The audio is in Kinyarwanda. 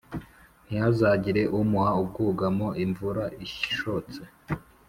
ntihazagire umuha ubwugamo imvura ishotse;